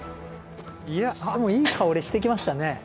いやあでもいい香りしてきましたね。